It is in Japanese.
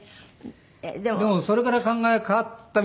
でもそれから考え変わったみたいで。